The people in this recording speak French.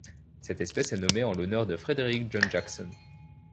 Cette espèce est nommée en l'honneur de Frederick John Jackson.